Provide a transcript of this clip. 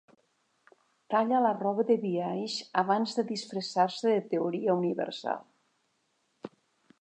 Talla la roba de biaix abans de disfressar-se de teoria universal.